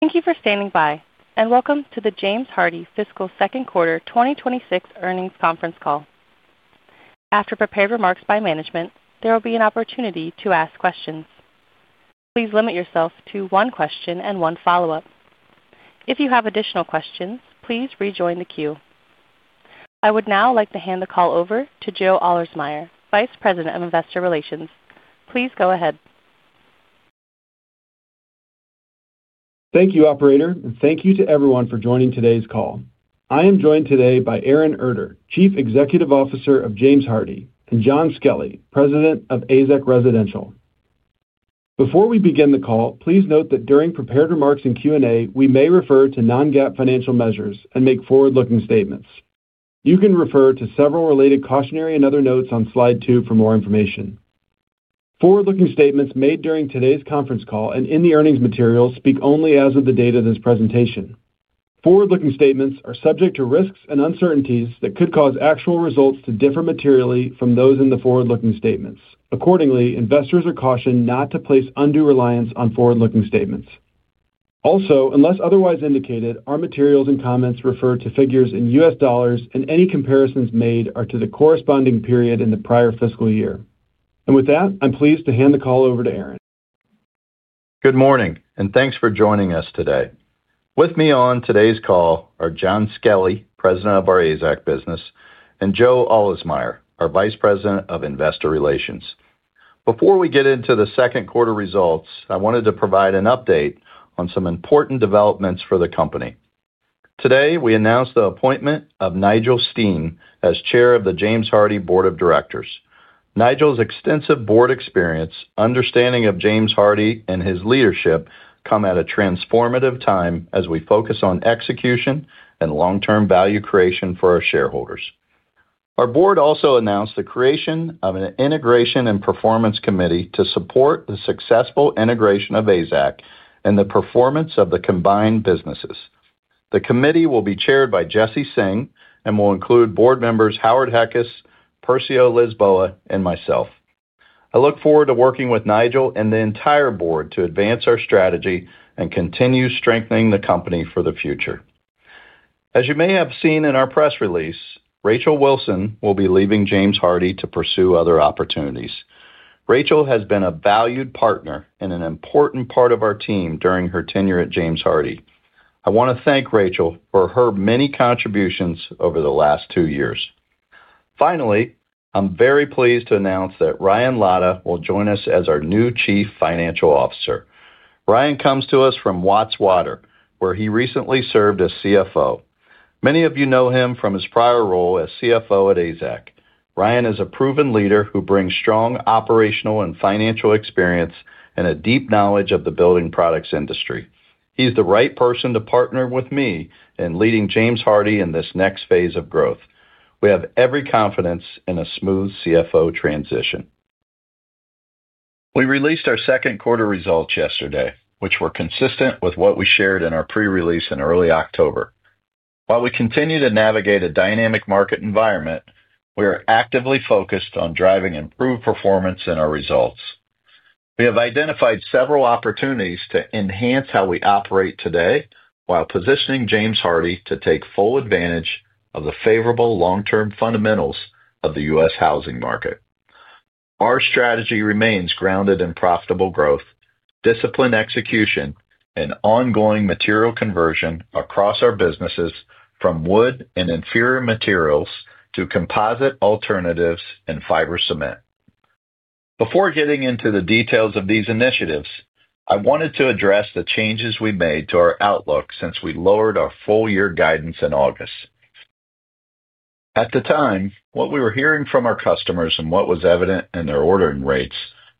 Thank you for standing by, and welcome to the James Hardie Fiscal Second Quarter 2026 Earnings Conference Call. After prepared remarks by management, there will be an opportunity to ask questions. Please limit yourself to one question and one follow-up. If you have additional questions, please rejoin the queue. I would now like to hand the call over to Joe Ahlersmeyer, Vice President of investor relations. Please go ahead. Thank you, Operator, and thank you to everyone for joining today's call. I am joined today by Aaron Erter, Chief Executive Officer of James Hardie, and Jon Skelly, President of AZEK Residential. Before we begin the call, please note that during prepared remarks and Q&A, we may refer to non-GAAP financial measures and make forward-looking statements. You can refer to several related cautionary and other notes on slide two for more information. Forward-looking statements made during today's conference call and in the earnings materials speak only as of the date of this presentation. Forward-looking statements are subject to risks and uncertainties that could cause actual results to differ materially from those in the forward-looking statements. Accordingly, investors are cautioned not to place undue reliance on forward-looking statements. Also, unless otherwise indicated, our materials and comments refer to figures in U.S. dollars. dollars, and any comparisons made are to the corresponding period in the prior fiscal year. With that, I'm pleased to hand the call over to Aaron. Good morning, and thanks for joining us today. With me on today's call are Jon Skelly, President of our AZEK business, and Joe Ahlersmeyer, our Vice President of investor relations. Before we get into the Second Quarter Results, I wanted to provide an update on some important developments for the company. Today, we announced the appointment of Nigel Steen as Chair of the James Hardie Board of Directors. Nigel's extensive board experience, understanding of James Hardie and his leadership, come at a transformative time as we focus on execution and long-term value creation for our shareholders. Our board also announced the creation of an Integration and Performance Committee to support the successful integration of AZEK and the performance of the combined businesses. The committee will be chaired by Jesse Singh and will include board members Howard Heckes, Persio Lisboa, and myself. I look forward to working with Nigel and the entire board to advance our strategy and continue strengthening the company for the future. As you may have seen in our press release, Rachel Wilson will be leaving James Hardie to pursue other opportunities. Rachel has been a valued partner and an important part of our team during her tenure at James Hardie. I want to thank Rachel for her many contributions over the last two years. Finally, I'm very pleased to announce that Ryan Lada will join us as our new Chief Financial Officer. Ryan comes to us from Watts Water, where he recently served as CFO. Many of you know him from his prior role as CFO at The AZEK Company. Ryan is a proven leader who brings strong operational and financial experience and a deep knowledge of the building products industry. He's the right person to partner with me in leading James Hardie in this next phase of growth. We have every confidence in a smooth CFO transition. We released our Second Quarter Results yesterday, which were consistent with what we shared in our pre-release in early October. While we continue to navigate a dynamic market environment, we are actively focused on driving improved performance in our results. We have identified several opportunities to enhance how we operate today while positioning James Hardie to take full advantage of the favorable long-term fundamentals of the U.S. housing market. Our strategy remains grounded in profitable growth, disciplined execution, and ongoing material conversion across our businesses from Wood and Inferior Materials to composite alternatives and Fiber Cement. Before getting into the details of these initiatives, I wanted to address the changes we made to our outlook since we lowered our full-year guidance in August. At the time, what we were hearing from our customers and what was evident in their ordering rates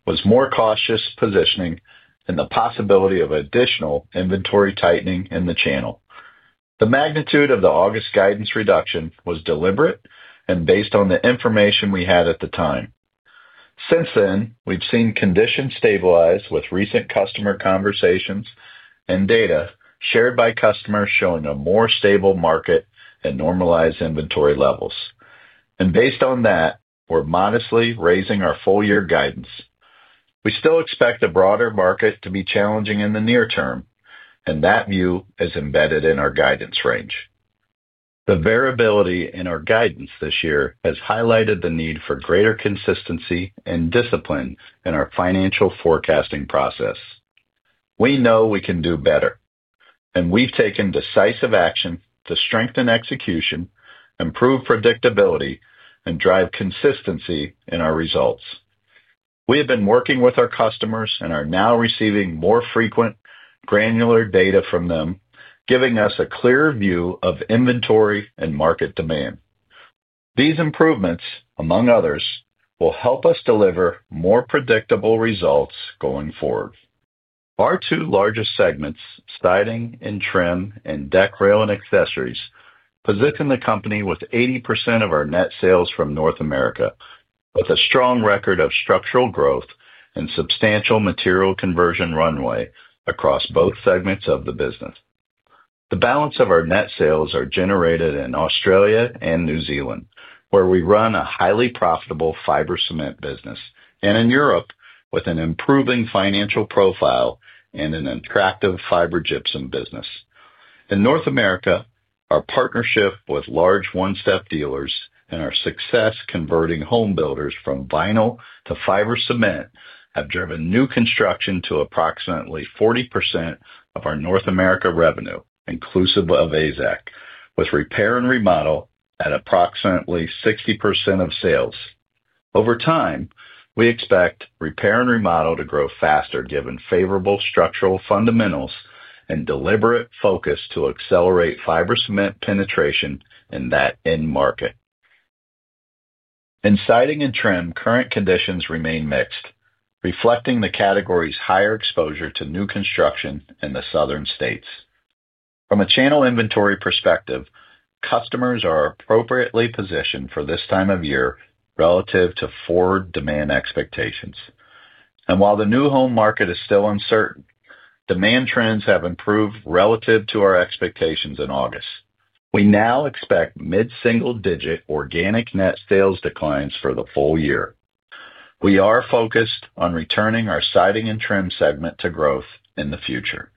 was more cautious positioning and the possibility of additional inventory tightening in the channel. The magnitude of the August guidance reduction was deliberate and based on the information we had at the time. Since then, we have seen conditions stabilize with recent customer conversations and data shared by customers showing a more stable market and normalized inventory levels. Based on that, we are modestly raising our full-year guidance. We still expect a broader market to be challenging in the near term, and that view is embedded in our guidance range. The variability in our guidance this year has highlighted the need for greater consistency and discipline in our financial forecasting process. We know we can do better, and we have taken decisive action to strengthen execution, improve predictability, and drive consistency in our results. We have been working with our customers and are now receiving more frequent, Granular Data from them, giving us a clearer view of inventory and market demand. These improvements, among others, will help us deliver more predictable results going forward. Our two largest segments, Siding and Trim, and deck rail and accessories, position the company with 80% of our Net Sales from North America, with a strong record of structural growth and substantial material conversion runway across both segments of the business. The balance of our net sales are generated in Australia and New Zealand, where we run a highly profitable Fiber Cement business, and in Europe with an improving financial profile and an Attractive Fiber Gypsum Business. In North America, our partnership with large one-step dealers and our success converting home builders from vinyl to Fiber Cement have driven new construction to approximately 40% of our North America revenue, inclusive of AZEK, with Repair and Remodel at approximately 60% of sales. Over time, we expect Repair and Remodel to grow faster given favorable structural fundamentals and deliberate focus to accelerate Fiber Cement penetration in that end market. In Siding and Trim, current conditions remain mixed, reflecting the category's higher exposure to new construction in the southern states. From a Channel Inventory perspective, customers are appropriately positioned for this time of year relative to forward demand expectations. While the new home market is still uncertain, demand trends have improved relative to our expectations in August. We now expect mid-single-digit organic net sales declines for the full year. We are focused on returning our Siding and Trim segment to growth in the future.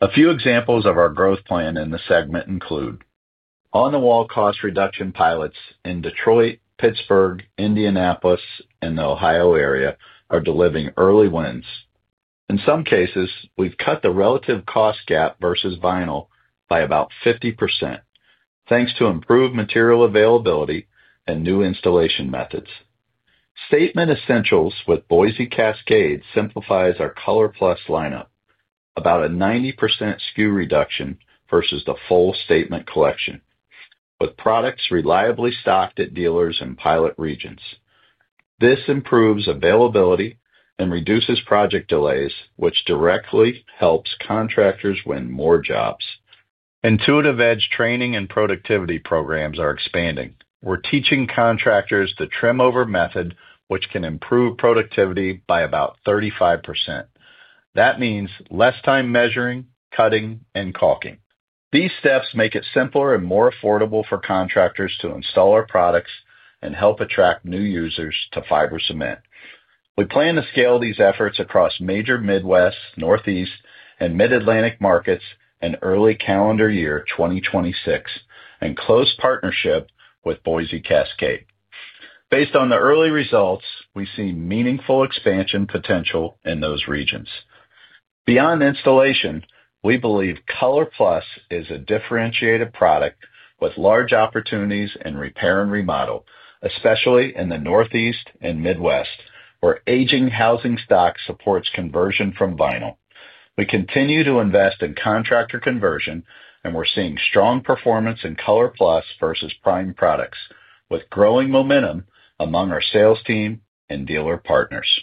A few examples of our growth plan in the segment include On-the-wall cost reduction pilots in Detroit, Pittsburgh, Indianapolis, and the Ohio area are delivering early wins. In some cases, we've cut the relative cost gap versus vinyl by about 50%, thanks to improved material availability and new installation methods. Statement Essentials with Boise Cascade simplifies our ColorPlus lineup, about a 90% SKU reduction versus the Full Statement collection, with products reliably stocked at dealers in pilot regions. This improves availability and reduces project delays, which directly helps contractors win more jobs. Intuitive Edge training and productivity programs are expanding. We're teaching contractors the Trim-over method, which can improve productivity by about 35%. That means less time measuring, cutting, and caulking. These steps make it simpler and more affordable for contractors to install our products and help attract new users to Fiber Cement. We plan to scale these efforts across major Midwest, Northeast, and Mid-Atlantic markets in early calendar year 2026, in close partnership with Boise Cascade. Based on the early results, we see meaningful expansion potential in those regions. Beyond installation, we believe ColorPlus is a differentiated product with large opportunities in Repair and Remodel, especially in the Northeast and Midwest, where aging housing stock supports conversion from vinyl. We continue to invest in contractor conversion, and we're seeing strong performance in ColorPlus versus prime products, with growing momentum among our sales team and dealer partners.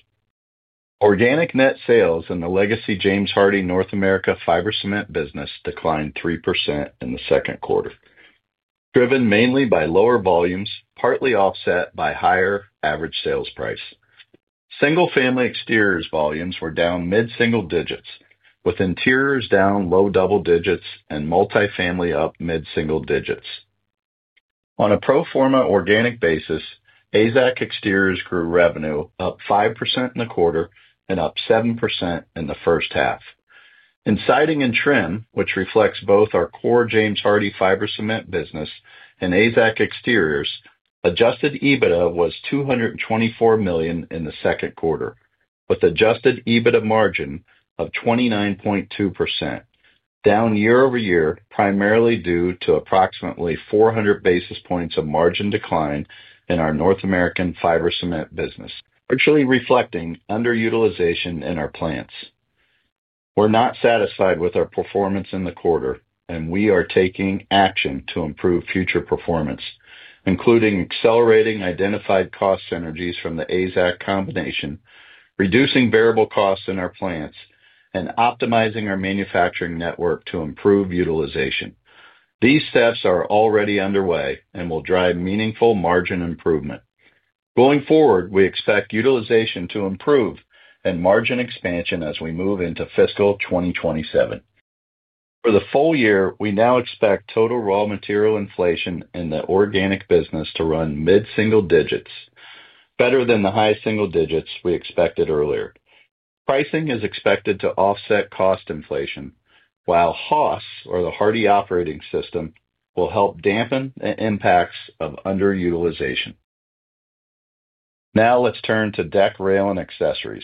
Organic net sales in the legacy James Hardie North America Fiber Cement business declined 3% in the 2nd quarter, driven mainly by lower volumes, partly offset by higher Average Sales Price. Single-family exteriors volumes were down mid-single digits, with interiors down low double digits and multi-family up mid-single digits. On a pro forma organic basis, AZEK exteriors grew revenue up 5% in the quarter and up 7% in the 1st half. In Siding and Trim, which reflects both our core James Hardie Fiber Cement business and AZEK exteriors, adjusted EBITDA was $224 million in the 2nd quarter, with adjusted EBITDA margin of 29.2%, down year-over-year, primarily due to approximately 400 basis points of margin decline in our North American Fiber Cement business, partially reflecting underutilization in our plants. We're not satisfied with our performance in the quarter, and we are taking action to improve future performance, including accelerating identified cost synergies from the AZEK combination, reducing variable costs in our plants, and optimizing our manufacturing network to improve utilization. These steps are already underway and will drive meaningful margin improvement. Going forward, we expect utilization to improve and margin expansion as we move into fiscal 2027. For the full year, we now expect total raw material inflation in the organic business to run mid-single digits, better than the high single digits we expected earlier. Pricing is expected to Offset Cost Inflation, while HOS, or the Hardie Operating System, will help dampen the impacts of underutilization. Now let's turn to Deck Rail and Accessories.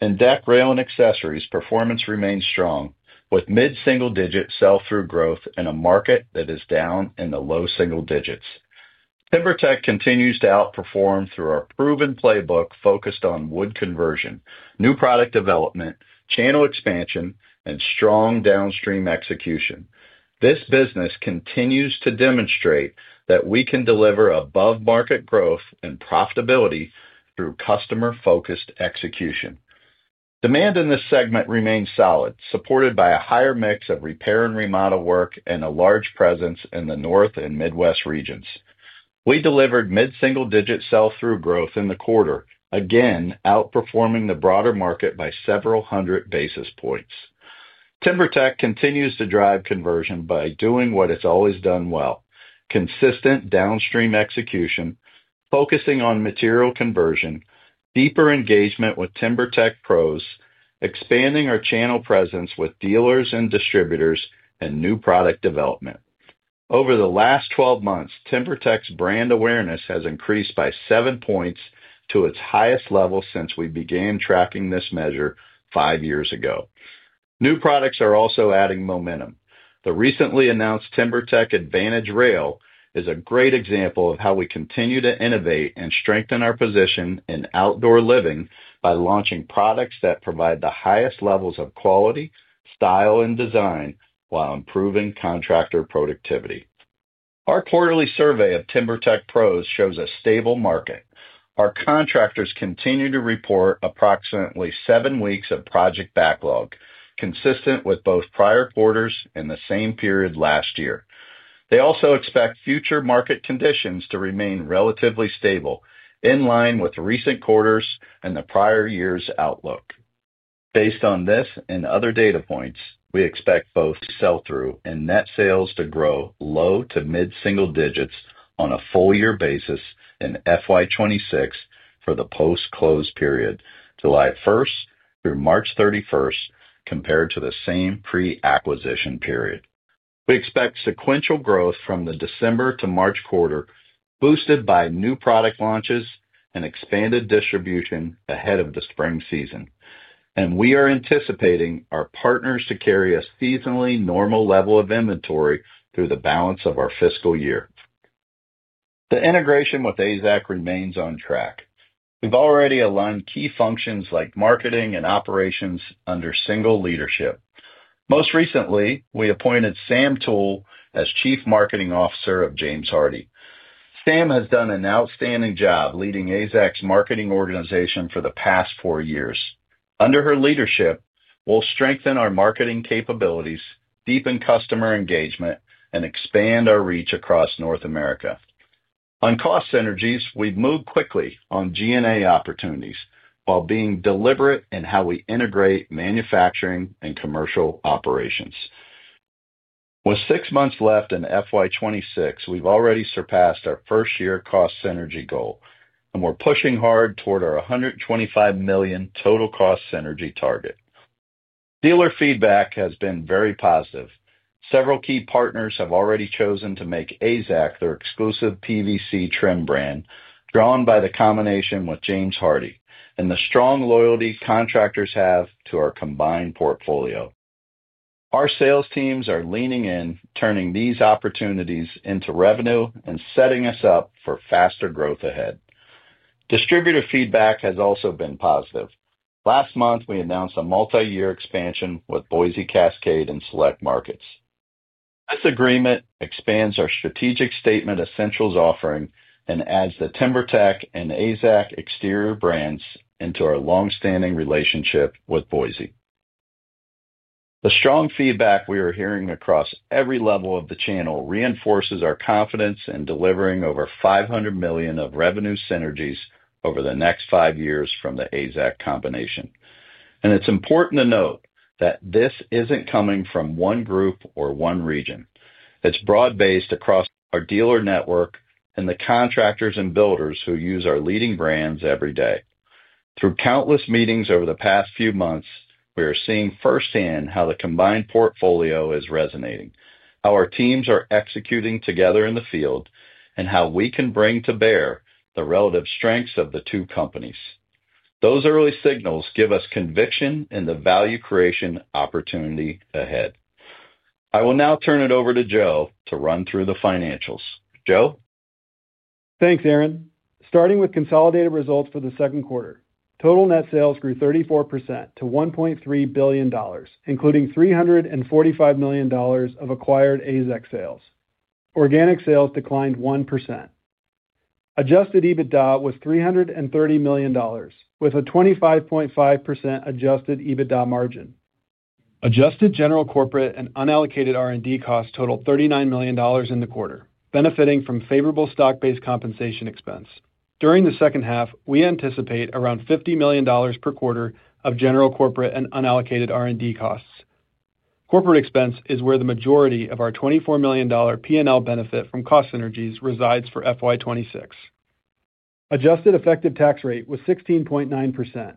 In Deck Rail and Accessories, performance remains strong, with mid-single digit sell-through growth in a market that is down in the low single digits. TimberTech continues to outperform through our proven playbook focused on wood conversion, new product development, channel expansion, and strong downstream execution. This business continues to demonstrate that we can deliver above-market growth and profitability through customer-focused execution. Demand in this segment remains solid, supported by a higher mix of Repair and Remodel work and a large presence in the North and Midwest regions. We delivered mid-single digit sell-through growth in the quarter, again outperforming the broader market by several hundred basis points. TimberTech continues to drive conversion by doing what it's always done well: consistent downstream execution, focusing on material conversion, deeper engagement with TimberTech pros, expanding our channel presence with dealers and distributors, and new product development. Over the last 12 months, TimberTech's brand awareness has increased by 7 points to its highest level since we began tracking this measure five years ago. New products are also adding momentum. The recently announced TimberTech Advantage Rail is a great example of how we continue to innovate and strengthen our position in outdoor living by launching products that provide the highest levels of quality, style, and design while improving contractor productivity. Our quarterly survey of TimberTech pros shows a stable market. Our contractors continue to report approximately seven weeks of project backlog, consistent with both prior quarters and the same period last year. They also expect future market conditions to remain relatively stable, in line with recent quarters and the prior year's outlook. Based on this and other data points, we expect both sell-through and net sales to grow low to mid-single digits on a full-year basis in FY 2026 for the post-close period, July 1st through March 31st, compared to the same pre-acquisition period. We expect sequential growth from the December to March quarter, boosted by new product launches and expanded distribution ahead of the spring season. We are anticipating our partners to carry a seasonally normal level of inventory through the balance of our fiscal year. The integration with AZEK remains on track. We have already aligned key functions like marketing and operations under single leadership. Most recently, we appointed Sam Toole as Chief Marketing Officer of James Hardie. Sam has done an outstanding job leading AZEK's marketing organization for the past four years. Under her leadership, we will strengthen our marketing capabilities, deepen customer engagement, and expand our reach across North America. On cost synergies, we have moved quickly on G&A opportunities while being deliberate in how we integrate Manufacturing and Commercial Operations. With six months left in FY 2026, we've already surpassed our 1st-year cost synergy goal, and we're pushing hard toward our $125 million total cost synergy target. Dealer feedback has been very positive. Several key partners have already chosen to make AZEK their exclusive PVC trim brand, drawn by the combination with James Hardie and the strong loyalty contractors have to our combined portfolio. Our sales teams are leaning in, turning these opportunities into revenue and setting us up for faster growth ahead. Distributor feedback has also been positive. Last month, we announced a multi-year expansion with Boise Cascade in select markets. This agreement expands our Strategic Statement Essentials offering and adds the TimberTech and AZEK exterior brands into our long-standing relationship with Boise. The strong feedback we are hearing across every level of the channel reinforces our confidence in delivering over $500 million of revenue synergies over the next five years from the AZEK combination. It is important to note that this is not coming from one group or one region. It is broad-based across our dealer network and the contractors and builders who use our leading brands every day. Through countless meetings over the past few months, we are seeing firsthand how the combined portfolio is resonating, how our teams are executing together in the field, and how we can bring to bear the relative strengths of the two companies. Those early signals give us conviction in the value creation opportunity ahead. I will now turn it over to Joe to run through the financials. Joe? Thanks, Aaron. Starting with consolidated results for the 2nd quarter, total net sales grew 34% to $1.3 billion, including $345 million of acquired AZEK sales. Organic sales declined 1%. Adjusted EBITDA was $330 million, with a 25.5% adjusted EBITDA margin. Adjusted general corporate and unallocated R&D costs totaled $39 million in the quarter, benefiting from favorable stock-based compensation expense. During the 2nd half, we anticipate around $50 million per quarter of general corporate and unallocated R&D costs. Corporate expense is where the majority of our $24 million P&L benefit from cost synergies resides for fiscal year 2026. Adjusted effective tax rate was 16.9%,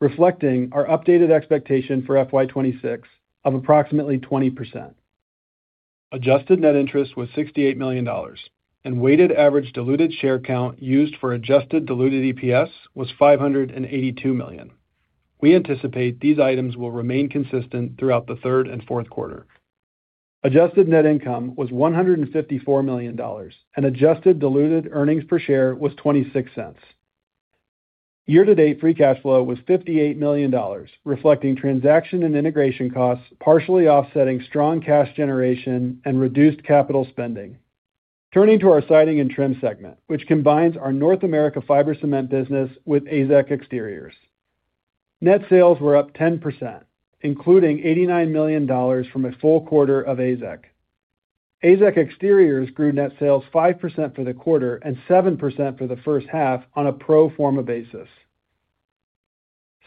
reflecting our updated expectation for fiscal year 2026 of approximately 20%. Adjusted net interest was $68 million, and weighted average diluted share count used for adjusted diluted EPS was 582 million. We anticipate these items will remain consistent throughout the third and 4th quarter. Adjusted net income was $154 million, and adjusted diluted earnings per share was $0.26. Year-to-date free cash flow was $58 million, reflecting transaction and integration costs partially offsetting strong cash generation and reduced capital spending. Turning to our Siding and Trim segment, which combines our North America Fiber Cement business with AZEK exteriors. Net sales were up 10%, including $89 million from a full quarter of AZEK. AZEK exteriors grew net sales 5% for the quarter and 7% for the 1st half on a pro forma basis.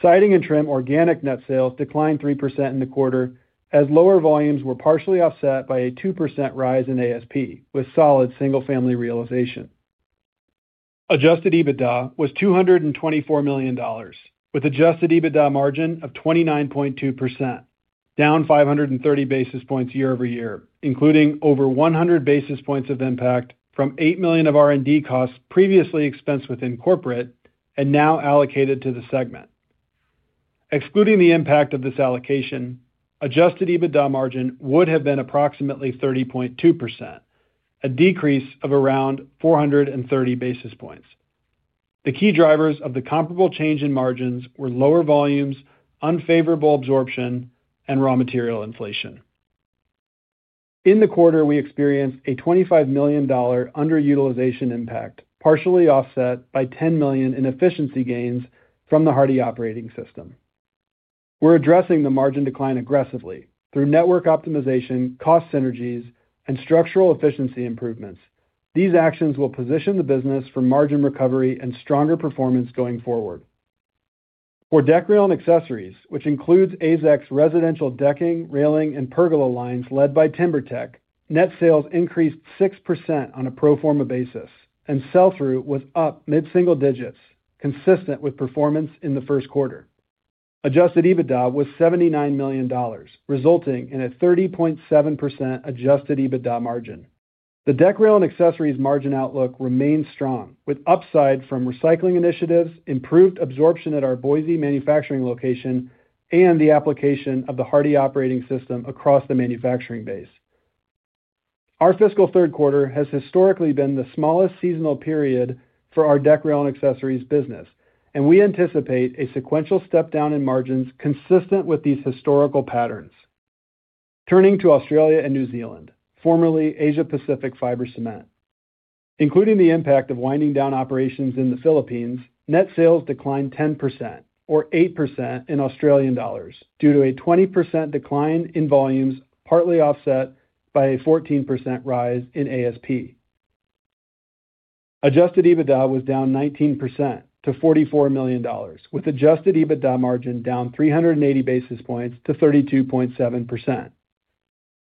Siding and Trim organic net sales declined 3% in the quarter as lower volumes were partially offset by a 2% rise in ASP, with solid single-family realization. Adjusted EBITDA was $224 million, with adjusted EBITDA margin of 29.2%, down 530 basis points year-over-year, including over 100 basis points of impact from $8 million of R&D costs previously expensed within corporate and now allocated to the segment. Excluding the impact of this allocation, adjusted EBITDA margin would have been approximately 30.2%, a decrease of around 430 basis points. The key drivers of the comparable change in margins were lower volumes, unfavorable absorption, and raw material inflation. In the quarter, we experienced a $25 million underutilization impact, partially offset by $10 million in efficiency gains from the Hardie Operating System. We're addressing the margin decline aggressively through network optimization, cost synergies, and structural efficiency improvements. These actions will position the business for margin recovery and stronger performance going forward. For deck rail and accessories, which includes AZEK's Residential Decking, Railing, and Pergola Lines led by TimberTech, net sales increased 6% on a pro forma basis, and sell-through was up mid-single digits, consistent with performance in the 1st quarter. Adjusted EBITDA was $79 million, resulting in a 30.7% adjusted EBITDA margin. The deck rail and accessories margin outlook remains strong, with upside from recycling initiatives, improved absorption at our Boise manufacturing location, and the application of the Hardie Operating System across the manufacturing base. Our fiscal 3rd quarter has historically been the smallest seasonal period for our deck rail and accessories business, and we anticipate a sequential step down in margins consistent with these historical patterns. Turning to Australia and New Zealand, formerly Asia Pacific Fiber Cement. Including the impact of winding down operations in the Philippines, net sales declined 10%, or 8% in Australian dollars, due to a 20% decline in volumes partly offset by a 14% rise in ASP. Adjusted EBITDA was down 19% to $44 million, with adjusted EBITDA margin down 380 basis points to 32.7%.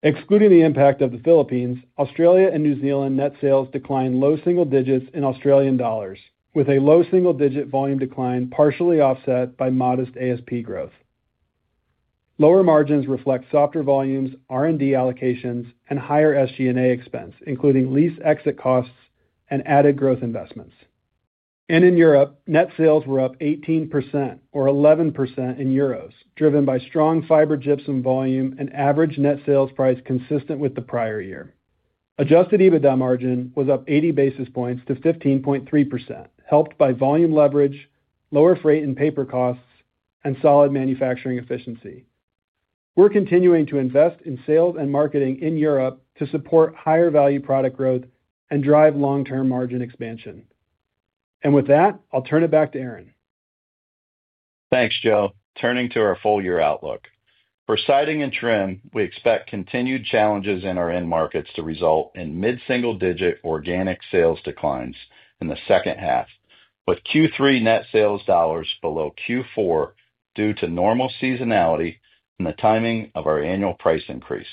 Excluding the impact of the Philippines, Australia and New Zealand net sales declined low single digits in Australian dollars, with a low single-digit volume decline partially offset by modest ASP growth. Lower margins reflect softer volumes, R&D allocations, and higher SG&A expense, including lease exit costs and added growth investments. In Europe, net sales were up 18%, or 11% in euros, driven by strong Fiber Gypsum Volume and Average Net Sales Price consistent with the prior year. Adjusted EBITDA margin was up 80 basis points to 15.3%, helped by volume leverage, lower freight and paper costs, and solid manufacturing efficiency. We are continuing to invest in sales and marketing in Europe to support higher value product growth and drive long-term margin expansion. With that, I'll turn it back to Aaron. Thanks, Joe. Turning to our full-year outlook. For Siding and Trim, we expect continued challenges in our end markets to result in mid-single digit organic sales declines in the 2nd half, with Q3 net sales dollars below Q4 due to normal seasonality and the timing of our Annual Price increase.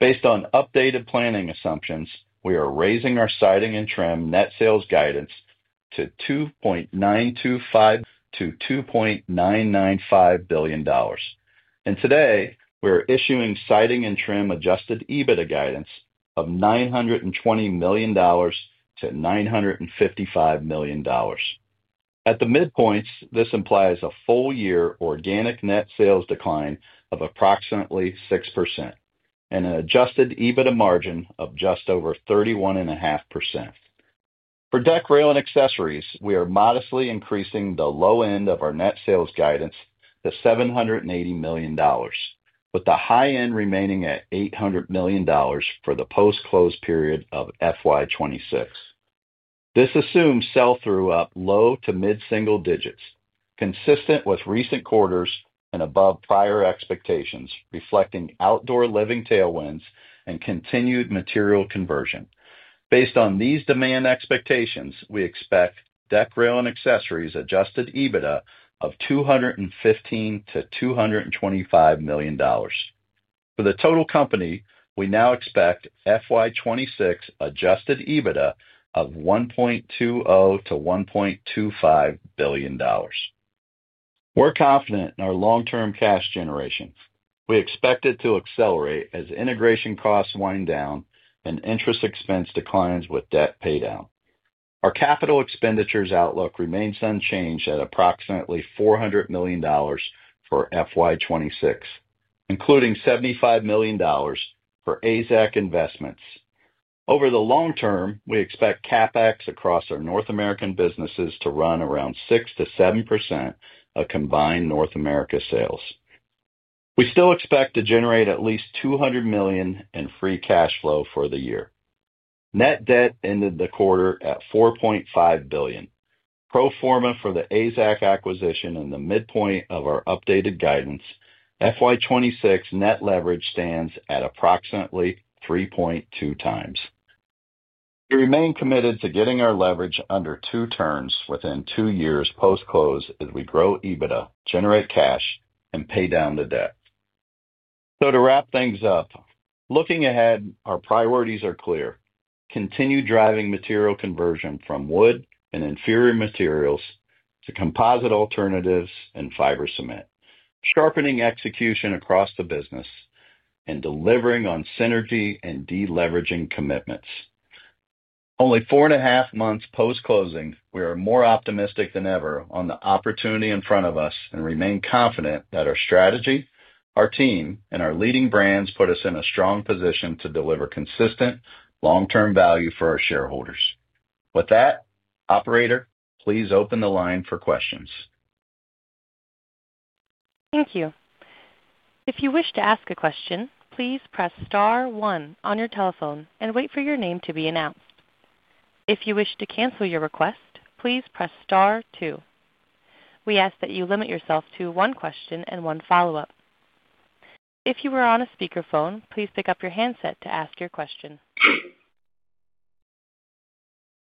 Based on updated planning assumptions, we are raising our Siding and Trim net sales guidance to $2.925 billion-$2.995 billion. Today, we are issuing Siding and Trim adjusted EBITDA guidance of $920 million-$955 million. At the midpoints, this implies a full-year organic net sales decline of approximately 6% and an adjusted EBITDA margin of just over 31.5%. For deck rail and accessories, we are modestly increasing the low end of our net sales guidance to $780 million, with the high end remaining at $800 million for the post-close period of FY 2026. This assumes sell-through up low to mid-single digits, consistent with recent quarters and above prior expectations, reflecting outdoor living tailwinds and continued material conversion. Based on these demand expectations, we expect deck rail and accessories adjusted EBITDA of $215-$225 million. For the total company, we now expect FY 2026 adjusted EBITDA of $1.20-$1.25 billion. We're confident in our long-term cash generation. We expect it to accelerate as integration costs wind down and interest expense declines with debt paydown. Our capital expenditures outlook remains unchanged at approximately $400 million for FY 2026, including $75 million for AZEK investments. Over the long term, we expect CapEx across our North American businesses to run around 6%-7% of combined North America sales. We still expect to generate at least $200 million in Free Cash Flow for the year. Net debt ended the quarter at $4.5 billion. Pro forma for the AZEK acquisition in the midpoint of our updated guidance, FY 2026 net leverage stands at approximately 3.2 times. We remain committed to getting our leverage under two turns within two years post-close as we grow EBITDA, generate cash, and pay down the debt. To wrap things up, looking ahead, our priorities are clear. Continue driving material conversion from wood and inferior materials to composite alternatives and Fiber Cement, sharpening execution across the business and delivering on synergy and deleveraging commitments. Only four and a half months post-closing, we are more optimistic than ever on the opportunity in front of us and remain confident that our strategy, our team, and our leading brands put us in a strong position to deliver consistent long-term value for our shareholders. With that, Operator, please open the line for questions. Thank you. If you wish to ask a question, please press star one on your telephone and wait for your name to be announced. If you wish to cancel your request, please press star two. We ask that you limit yourself to one question and one follow-up. If you are on a speakerphone, please pick up your handset to ask your question.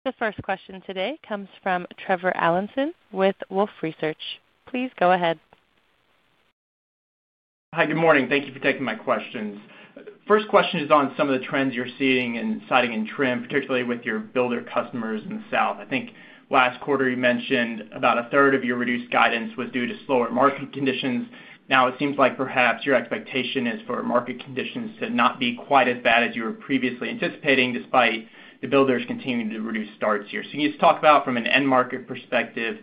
The first question today comes from Trevor Allinson with Wolfe Research. Please go ahead. Hi, good morning. Thank you for taking my questions. First question is on some of the trends you're seeing in Siding and Trim, particularly with your builder customers in the South. I think last quarter you mentioned about a 1/3 of your reduced guidance was due to slower market conditions. Now, it seems like perhaps your expectation is for market conditions to not be quite as bad as you were previously anticipating, despite the builders continuing to reduce starts here. Can you just talk about, from an end market perspective,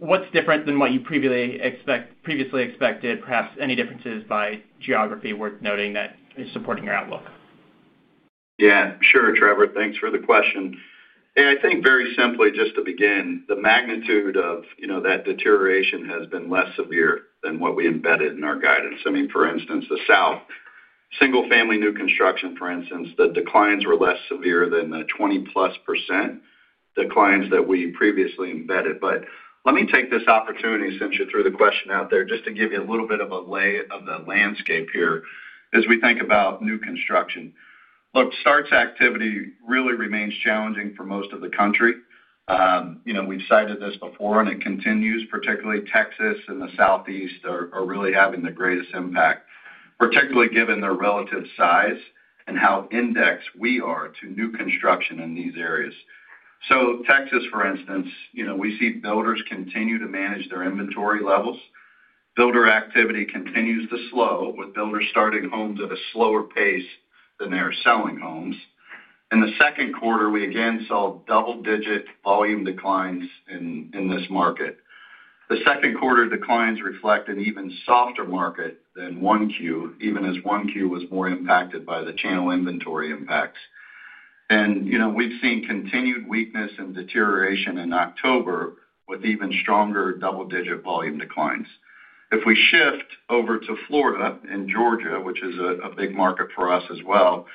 what's different than what you previously expected, perhaps any differences by geography worth noting that is supporting your outlook? Yeah, sure, Trevor. Thanks for the question. Yeah, I think very simply, just to begin, the magnitude of that deterioration has been less severe than what we embedded in our guidance. I mean, for instance, the South, single-family new construction, for instance, the declines were less severe than the 20%+ declines that we previously embedded. Let me take this opportunity to send you through the question out there just to give you a little bit of a lay of the landscape here as we think about new construction. Look, starts activity really remains challenging for most of the country. We've cited this before, and it continues. Particularly, Texas and the Southeast are really having the greatest impact, particularly given their relative size and how indexed we are to new construction in these areas. Texas, for instance, we see builders continue to manage their inventory levels. Builder activity continues to slow, with builders starting homes at a slower pace than they are selling homes. In the 2nd quarter, we again saw double-digit volume declines in this market. The 2nd quarter declines reflect an even softer market than 1Q, even as 1Q was more impacted by the channel inventory impacts. We have seen continued weakness and deterioration in October with even stronger double-digit volume declines. If we shift over to Florida and Georgia, which is a big market for us as well,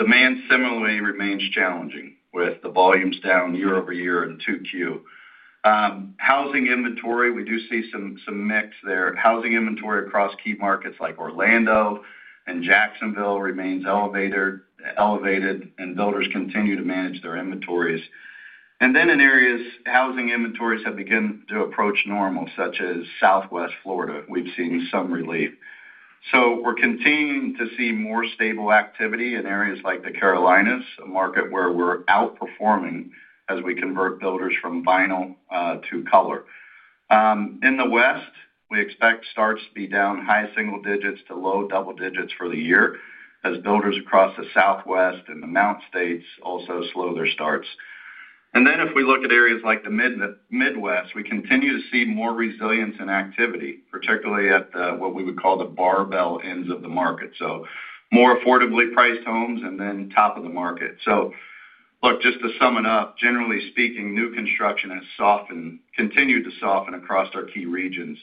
demand similarly remains challenging with the volumes down year-over-year in 2Q. Housing inventory, we do see some mix there. Housing inventory across key markets like Orlando and Jacksonville remains elevated, and builders continue to manage their inventories. In some areas, housing inventories have begun to approach normal, such as Southwest Florida. We have seen some relief. We are continuing to see more stable activity in areas like the Carolinas, a market where we are outperforming as we convert builders from vinyl to color. In the West, we expect starts to be down high single digits to low double digits for the year as builders across the Southwest and the Mountain States also slow their starts. If we look at areas like the Midwest, we continue to see more resilience and activity, particularly at what we would call the barbell ends of the market, so more affordably priced homes and then top of the market. Just to sum it up, generally speaking, new construction has softened, continued to soften across our key regions.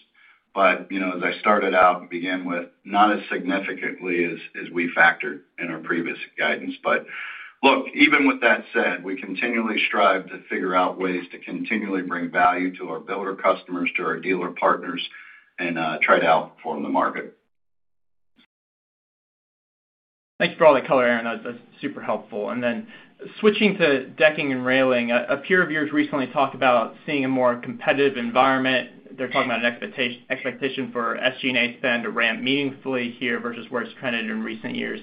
As I started out and began with, not as significantly as we factored in our previous guidance. Even with that said, we continually strive to figure out ways to continually bring value to our builder customers, to our dealer partners, and try to outperform the market. Thanks for all the color, Aaron. That's super helpful. Then switching to decking and railing, a peer of yours recently talked about seeing a more competitive environment. They're talking about an expectation for SG&A spend to ramp meaningfully here versus where it's trended in recent years.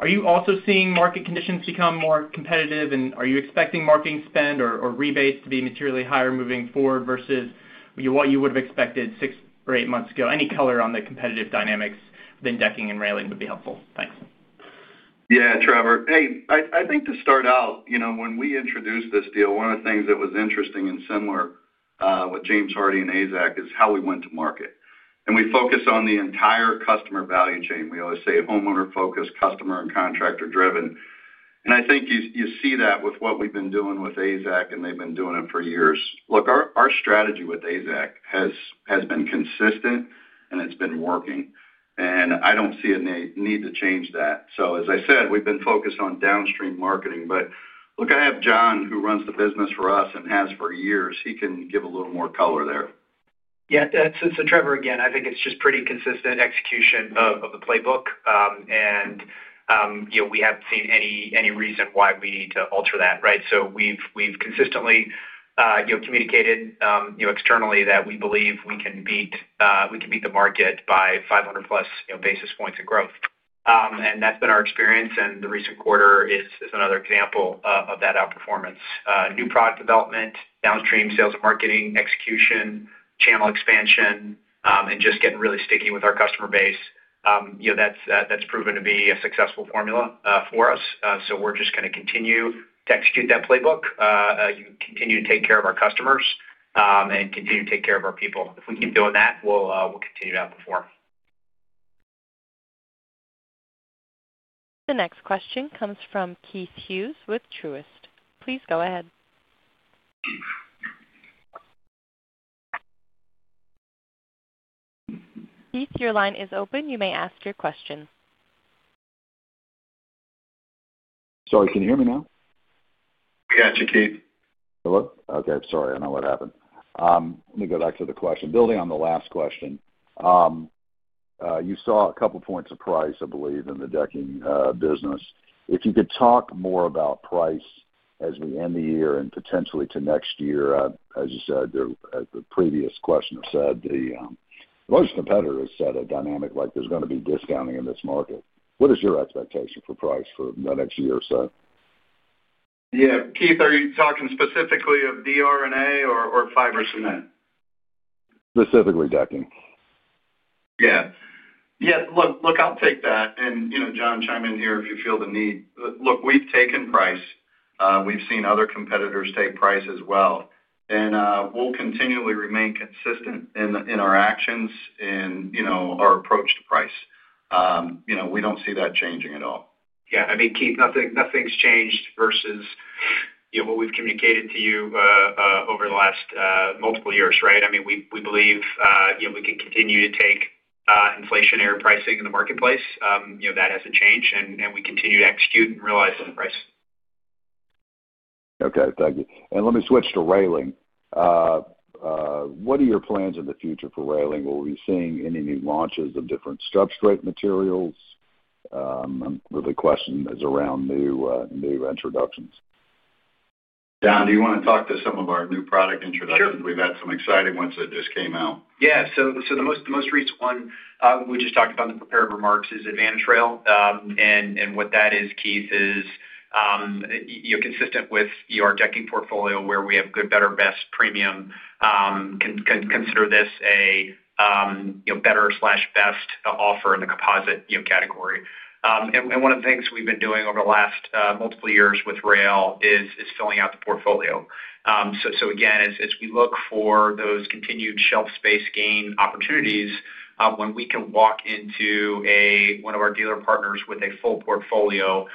Are you also seeing market conditions become more competitive, and are you expecting marketing spend or rebates to be materially higher moving forward versus what you would have expected six or eight months ago? Any color on the competitive dynamics within decking and railing would be helpful. Thanks. Yeah, Trevor. Hey, I think to start out, when we introduced this deal, one of the things that was interesting and similar with James Hardie and AZEK is how we went to market. We focus on the entire customer value chain. We always say homeowner-focused, customer and contractor-driven. I think you see that with what we have been doing with AZEK, and they have been doing it for years. Look, our strategy with AZEK has been consistent, and it has been working. I do not see a need to change that. As I said, we have been focused on downstream marketing. I have Jon, who runs the business for us and has for years. He can give a little more color there. Yeah, Trevor, again, I think it is just pretty consistent execution of the playbook. We have not seen any reason why we need to alter that, right? We have consistently communicated externally that we believe we can beat the market by 500+ basis points of growth. That has been our experience. The recent quarter is another example of that outperformance. New product development, downstream sales and marketing, execution, channel expansion, and just getting really sticky with our customer base, that's proven to be a successful formula for us. We are just going to continue to execute that playbook, continue to take care of our customers, and continue to take care of our people. If we keep doing that, we will continue to outperform. The next question comes from Keith Hughes with Truist. Please go ahead. Keith, your line is open. You may ask your question. Sorry, can you hear me now? Yeah, it is you, Keith. Hello? Okay, sorry. I know what happened. Let me go back to the question. Building on the last question, you saw a couple of points of price, I believe, in the decking business. If you could talk more about price as we end the year and potentially to next year, as you said, the previous questioner said, the most competitive set of dynamic, like there's going to be discounting in this market. What is your expectation for price for the next year or so? Yeah, Keith, are you talking specifically of DR&A or Fiber Cement? Specifically decking. Yeah. Yeah, look, I'll take that. And Jon, chime in here if you feel the need. Look, we've taken price. We've seen other competitors take price as well. We will continually remain consistent in our actions and our approach to price. We do not see that changing at all. Yeah. I mean, Keith, nothing's changed versus what we've communicated to you over the last multiple years, right? I mean, we believe we can continue to take inflationary pricing in the marketplace. That has not changed. We continue to execute and realize the price. Okay, thank you. Let me switch to railing. What are your plans in the future for railing? Will we be seeing any new launches of different substrate, materials? The question is around new introductions. Jon, do you want to talk to some of our new product introductions? We've had some exciting ones that just came out. Yeah. The most recent one we just talked about in the prepared remarks is Advantage Rail. What that is, Keith, is consistent with our Decking Portfolio where we have good, better, best premium. Consider this a better/best offer in the composite category. One of the things we've been doing over the last multiple years with rail is filling out the portfolio. Again, as we look for those continued shelf space gain opportunities, when we can walk into one of our dealer partners with a full portfolio,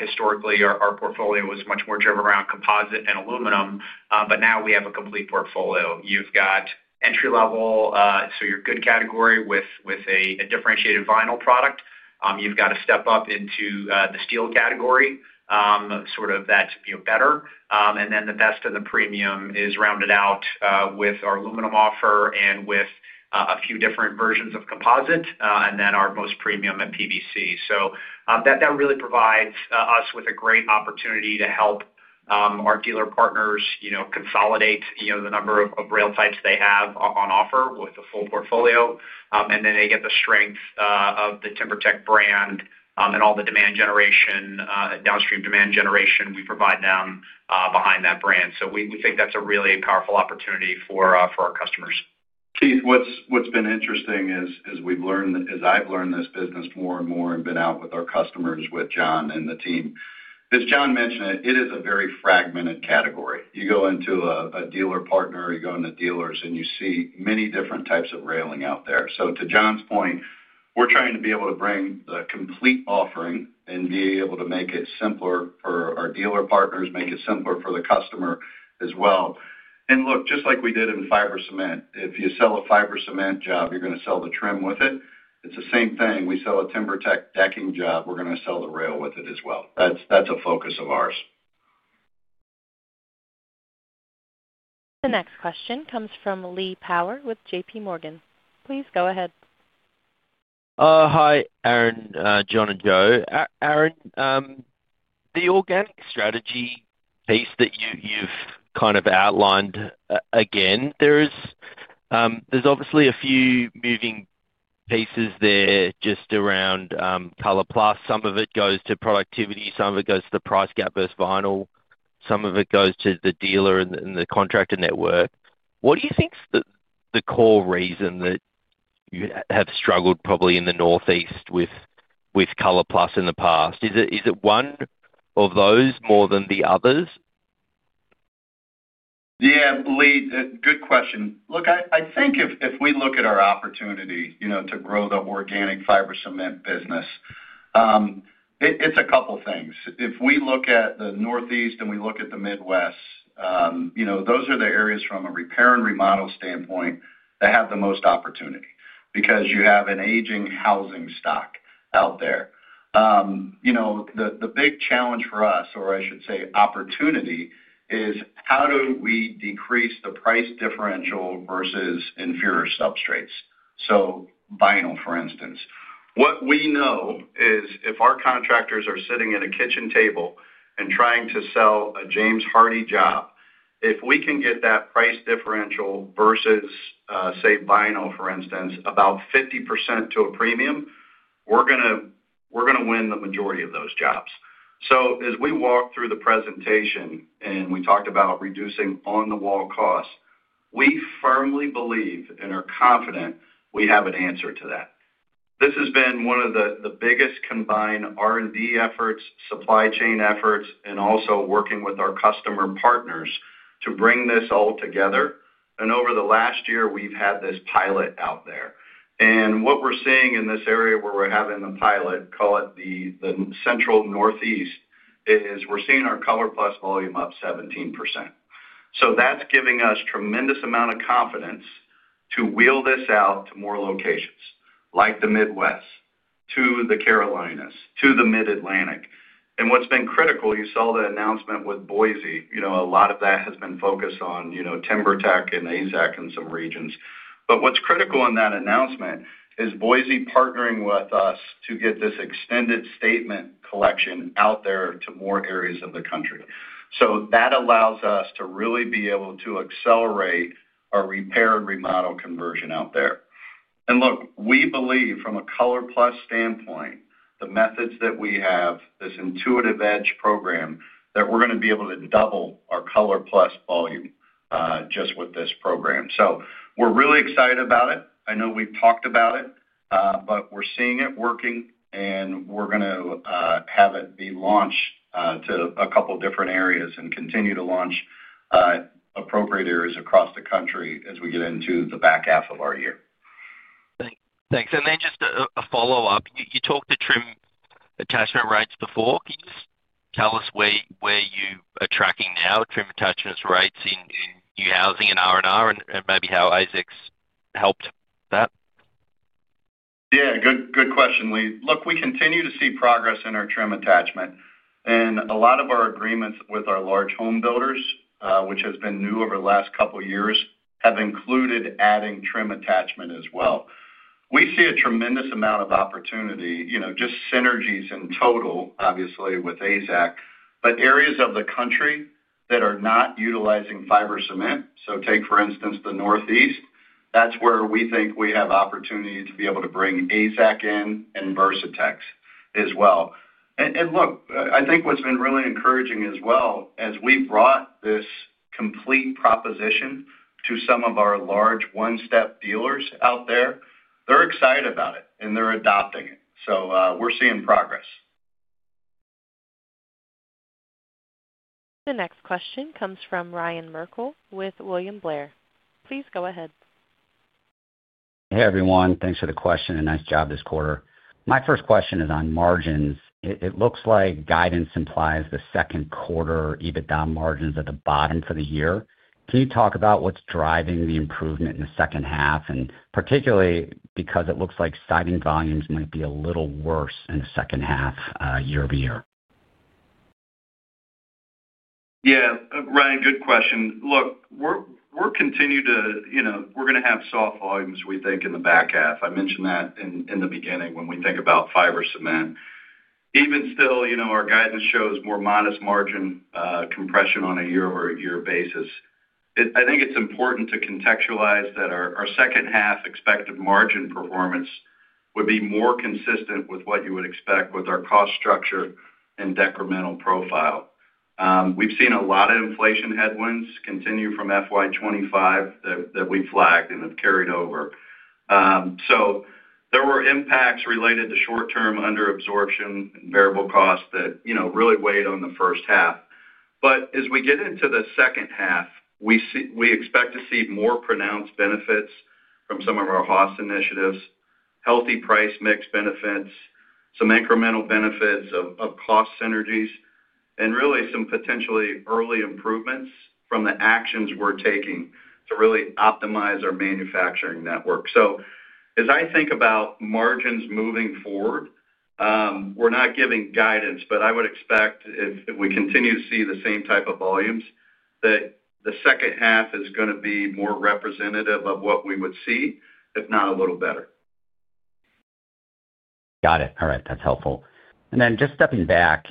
historically, our portfolio was much more driven around composite and aluminum. Now we have a complete portfolio. You've got entry-level, so your good category with a differentiated vinyl product. You've got to step up into the Steel category, sort of that better. The best of the premium is rounded out with our aluminum offer and with a few different versions of composite, and then our most premium at PVC. That really provides us with a great opportunity to help our dealer partners consolidate the number of rail types they have on offer with a full portfolio. They get the strength of the TimberTech brand and all the downstream demand generation we provide them behind that brand. We think that's a really powerful opportunity for our customers. Keith, what's been interesting is we've learned, as I've learned this business more and more and been out with our customers, with Jon and the team, as Jon mentioned, it is a very fragmented category. You go into a dealer partner, you go into dealers, and you see many different types of railing out there. To Jon's point, we're trying to be able to bring the complete offering and be able to make it simpler for our dealer partners, make it simpler for the customer as well. Look, just like we did in Fiber Cement, if you sell a Fiber Cement job, you're going to sell the trim with it. It's the same thing. We sell a TimberTech decking job, we're going to sell the rail with it as well. That's a focus of ours. The next question comes from Lee Power with J.P. Morgan. Please go ahead. Hi, Aaron, Jon, and Joe. Aaron, the organic strategy piece that you've kind of outlined again, there's obviously a few moving pieces there just around ColorPlus. Some of it goes to productivity. Some of it goes to the price gap versus vinyl. Some of it goes to the dealer and the contractor network. What do you think the core reason that you have struggled probably in the Northeast with ColorPlus in the past? Is it one of those more than the others? Yeah, Lee, good question. Look, I think if we look at our opportunity to grow the Organic Fiber Cement Business, it's a couple of things. If we look at the Northeast and we look at the Midwest, those are the areas from a Repair and Remodel standpoint that have the most opportunity because you have an aging housing stock out there. The big challenge for us, or I should say opportunity, is how do we decrease the price differential versus inferior substrates? Vinyl, for instance. What we know is if our contractors are sitting at a kitchen table and trying to sell a James Hardie job, if we can get that price differential versus, say, vinyl, for instance, about 50% to a premium, we're going to win the majority of those jobs. As we walk through the presentation and we talked about reducing On-the-wall costs, we firmly believe and are confident we have an answer to that. This has been one of the biggest combined R&D efforts, supply chain efforts, and also working with our customer partners to bring this all together. Over the last year, we've had this pilot out there. What we're seeing in this area where we're having the pilot, call it the Central Northeast, is we're seeing our ColorPlus volume up 17%. That's giving us a tremendous amount of confidence to wheel this out to more locations like the Midwest, to the Carolinas, to the Mid-Atlantic. What's been critical, you saw the announcement with Boise. A lot of that has been focused on TimberTech and AZEK in some regions. What's critical in that announcement is Boise partnering with us to get this extended Statement Essentials collection out there to more areas of the country. That allows us to really be able to accelerate our Repair and Remodel conversion out there. Look, we believe from a ColorPlus standpoint, the methods that we have, this Intuitive Edge program, that we're going to be able to double our ColorPlus volume just with this program. We're really excited about it. I know we've talked about it, but we're seeing it working, and we're going to have it be launched to a couple of different areas and continue to launch appropriate areas across the country as we get into the back half of our year. Thanks. Then just a follow-up. You talked to Trim Attachment Rates before. Can you just tell us where you are tracking now, Trim Attachment Rates in new housing and R&R, and maybe how AZEK helped that? Yeah, good question, Lee. Look, we continue to see progress in our trim attachment. A lot of our agreements with our large home builders, which has been new over the last couple of years, have included adding Trim Attachment as well. We see a tremendous amount of opportunity, just synergies in total, obviously, with AZEK, but areas of the country that are not utilizing Fiber Cement. Take, for instance, the Northeast. That is where we think we have opportunity to be able to bring AZEK in and Versatex as well. I think what has been really encouraging as well, as we brought this complete proposition to some of our large one-step dealers out there, they are excited about it, and they are adopting it. We are seeing progress. The next question comes from Ryan Merkel with William Blair. Please go ahead. Hey, everyone. Thanks for the question. Nice job this quarter. My first question is on margins. It looks like guidance implies the second quarter EBITDA margins at the bottom for the year. Can you talk about what's driving the improvement in the 2nd half, and particularly because it looks like siding volumes might be a little worse in the 2nd half year-over-year? Yeah, Ryan, good question. Look, we're continuing to—we're going to have soft volumes, we think, in the back half. I mentioned that in the beginning when we think about Fiber Cement. Even still, our guidance shows more modest margin compression on a year-over-year basis. I think it's important to contextualize that our 2nd half expected margin performance would be more consistent with what you would expect with our cost structure and decremental profile. We've seen a lot of inflation headwinds continue from FY 2025 that we've flagged and have carried over. There were impacts related to short-term underabsorption and variable costs that really weighed on the 1st half. As we get into the 2nd half, we expect to see more pronounced benefits from some of our HOS initiatives, healthy price mix benefits, some incremental benefits of cost synergies, and really some potentially early improvements from the actions we are taking to really optimize our manufacturing network. As I think about margins moving forward, we are not giving guidance, but I would expect if we continue to see the same type of volumes, that the 2nd half is going to be more representative of what we would see, if not a little better. Got it. All right. That is helpful. Just stepping back,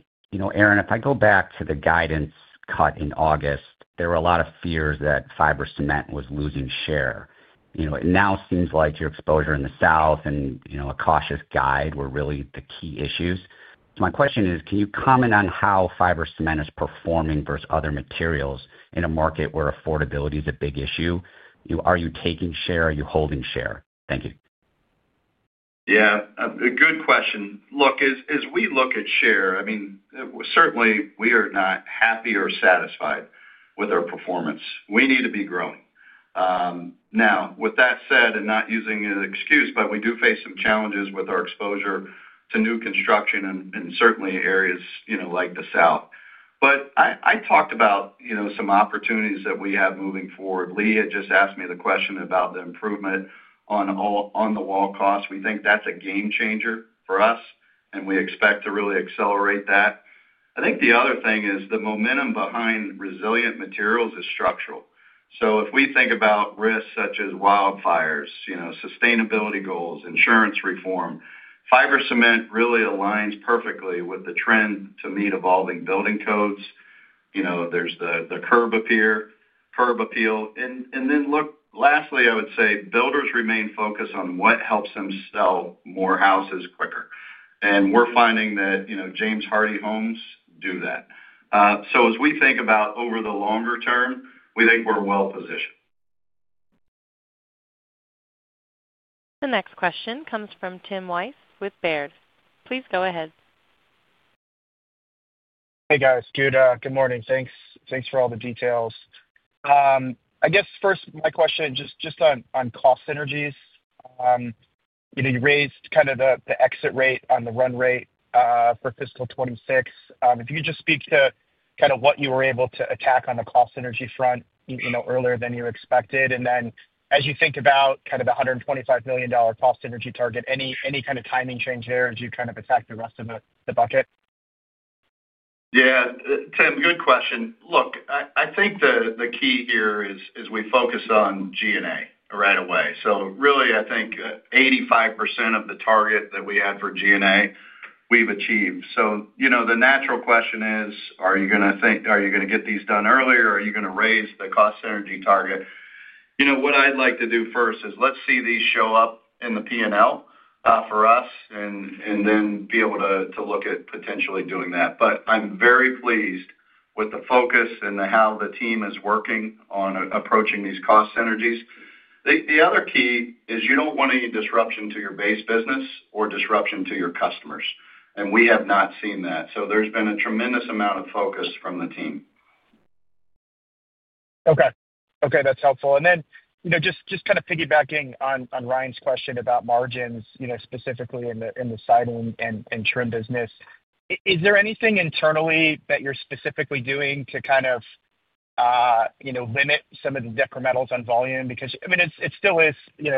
Aaron, if I go back to the guidance cut in August, there were a lot of fears that Fiber Cement was losing share. It now seems like your exposure in the South and a cautious guide were really the key issues. So my question is, can you comment on how Fiber Cement is performing versus other materials in a market where affordability is a big issue? Are you taking share? Are you holding share? Thank you. Yeah. Good question. Look, as we look at share, I mean, certainly we are not happy or satisfied with our performance. We need to be growing. Now, with that said, and not using an excuse, but we do face some challenges with our exposure to new construction and certainly areas like the South. I talked about some opportunities that we have moving forward. Lee had just asked me the question about the improvement on the wall cost. We think that's a game changer for us, and we expect to really accelerate that. I think the other thing is the momentum behind resilient materials is structural. If we think about risks such as wildfires, sustainability goals, insurance reform, Fiber Cement really aligns perfectly with the trend to meet evolving building codes. There is the curb appeal. Lastly, I would say builders remain focused on what helps them sell more houses quicker. We are finding that James Hardie Homes do that. As we think about over the longer term, we think we are well positioned. The next question comes from Tim Weiss with Baird. Please go ahead. Hey, guys. Good morning. Thanks for all the details. I guess first, my question just on cost synergies. You raised kind of the exit rate on the run rate for fiscal 2026. If you could just speak to kind of what you were able to attack on the cost synergy front earlier than you expected. And then as you think about kind of the $125 million cost synergy target, any kind of timing change there as you kind of attack the rest of the bucket? Yeah. Tim, good question. Look, I think the key here is we focus on G&A right away. So really, I think 85% of the target that we had for G&A, we've achieved. So the natural question is, are you going to think, are you going to get these done earlier? Are you going to raise the cost synergy target? What I'd like to do first is let's see these show up in the P&L for us and then be able to look at potentially doing that. I'm very pleased with the focus and how the team is working on approaching these cost synergies. The other key is you don't want any disruption to your base business or disruption to your customers. We have not seen that. There's been a tremendous amount of focus from the team. Okay. That's helpful. Just kind of piggybacking on Ryan's question about margins, specifically in the Siding and Trim business, is there anything internally that you're specifically doing to kind of limit some of the decrementals on volume? I mean, it still is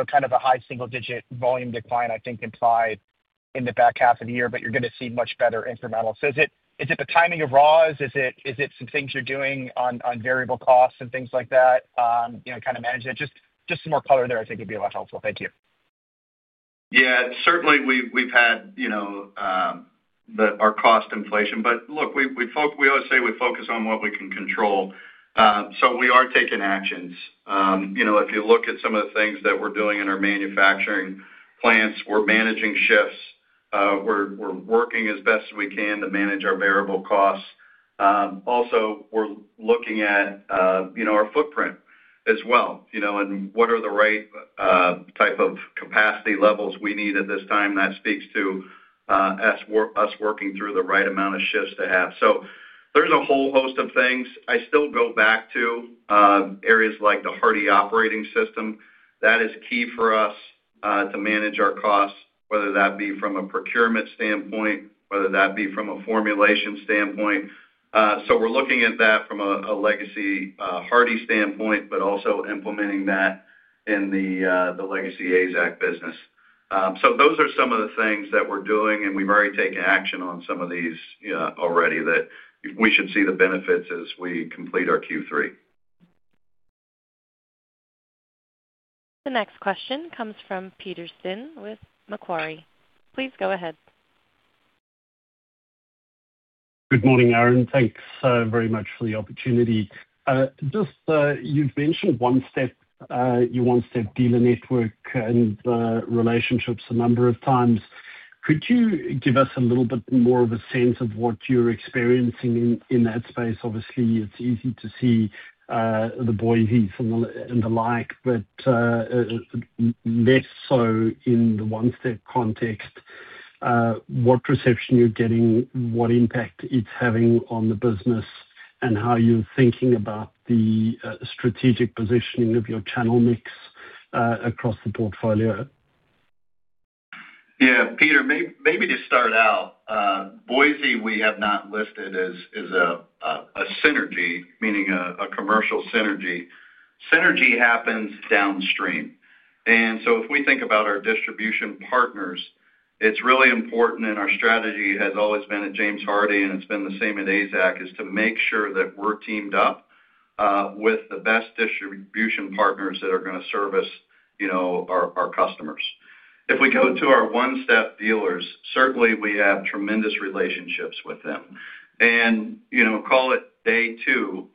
kind of a high single-digit volume decline, I think, implied in the back half of the year, but you're going to see much better incrementals. Is it the timing of ROS? Is it some things you're doing on variable costs and things like that, kind of manage it? Just some more color there, I think, would be a lot helpful. Thank you. Yeah. Certainly, we've had our Cost Inflation. Look, we always say we focus on what we can control. We are taking actions. If you look at some of the things that we're doing in our Manufacturing Plants, we're managing shifts. We're working as best as we can to manage our variable costs. Also, we're looking at our footprint as well and what are the right type of capacity levels we need at this time. That speaks to us working through the right amount of shifts to have. There's a whole host of things. I still go back to areas like the Hardie Operating System. That is key for us to manage our costs, whether that be from a procurement standpoint, whether that be from a formulation standpoint. We're looking at that from a legacy Hardie standpoint, but also implementing that in the legacy AZEK business. Those are some of the things that we're doing, and we've already taken action on some of these already that we should see the benefits as we complete our Q3. The next question comes from Peterson with Macquarie. Please go ahead. Good morning, Aaron. Thanks very much for the opportunity. Just you've mentioned one-step, your one-step dealer network and relationships a number of times. Could you give us a little bit more of a sense of what you're experiencing in that space? Obviously, it's easy to see the Boise and the like, but less so in the one-step context. What perception you're getting, what impact it's having on the business, and how you're thinking about the strategic positioning of your channel mix across the portfolio? Yeah. Peter, maybe to start out, Boise, we have not listed as a synergy, meaning a Commercial Synergy. Synergy happens downstream. If we think about our distribution partners, it's really important in our strategy, has always been at James Hardie, and it's been the same at AZEK, is to make sure that we're teamed up with the best distribution partners that are going to service our customers. If we go to our one-step dealers, certainly we have tremendous relationships with them. Call it day two,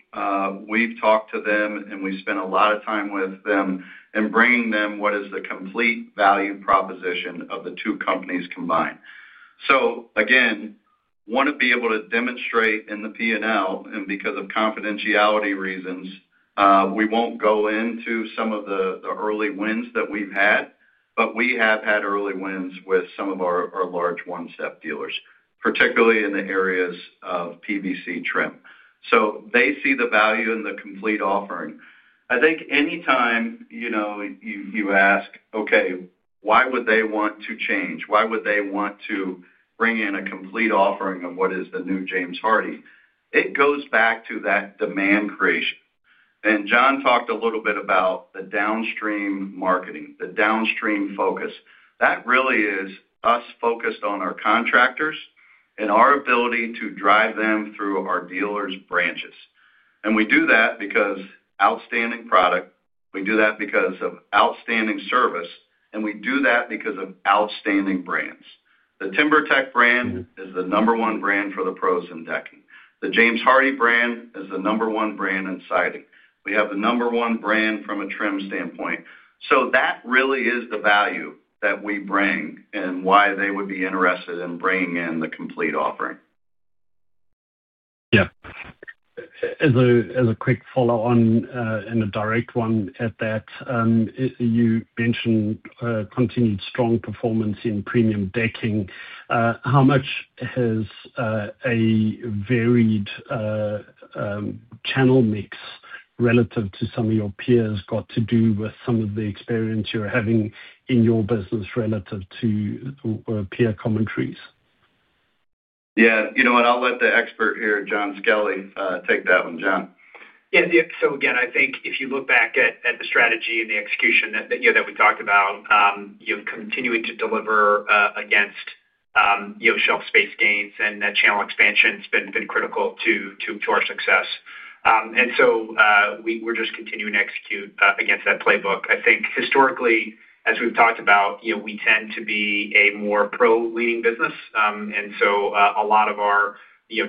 we've talked to them, and we spent a lot of time with them in bringing them what is the complete value proposition of the two companies combined. Again, want to be able to demonstrate in the P&L, and because of confidentiality reasons, we won't go into some of the early wins that we've had, but we have had early wins with some of our large one-step dealers, particularly in the areas of PVC trim. They see the value in the complete offering. I think anytime you ask, "Okay, why would they want to change? Why would they want to bring in a complete offering of what is the new James Hardie?" It goes back to that demand creation. Jon talked a little bit about the downstream marketing, the downstream focus. That really is us focused on our contractors and our ability to drive them through our dealers' branches. We do that because outstanding product. We do that because of outstanding service, and we do that because of outstanding brands. The TimberTech brand is the number one brand for the pros in decking. The James Hardie brand is the number one brand in siding. We have the number one brand from a trim standpoint. That really is the value that we bring and why they would be interested in bringing in the complete offering. Yeah. As a quick follow-on and a direct one at that, you mentioned continued strong performance in Premium Decking. How much has a varied channel mix relative to some of your peers got to do with some of the experience you're having in your business relative to peer commentaries? Yeah. You know what? I'll let the expert here, Jon Skelly, take that one, Jon. Yeah. Again, I think if you look back at the strategy and the execution that we talked about, you're continuing to deliver against shelf space gains, and that channel expansion has been critical to our success. We're just continuing to execute against that playbook. I think historically, as we've talked about, we tend to be a more pro-leaning business. A lot of our